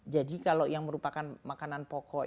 jadi kalau yang merupakan makanan pokok